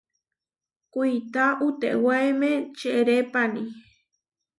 Kuitá utewáeme čeʼrépani.